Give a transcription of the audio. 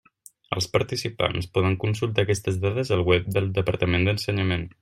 Els participants poden consultar aquestes dades al web del Departament d'Ensenyament.